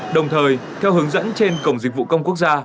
đồng thời theo hướng dẫn trên cổng dịch vụ công quốc gia